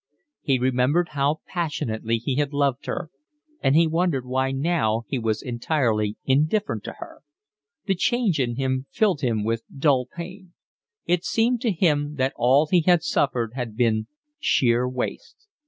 He remembered how passionately he had loved her, and he wondered why now he was entirely indifferent to her. The change in him filled him with dull pain. It seemed to him that all he had suffered had been sheer waste.